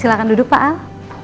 silahkan duduk pak al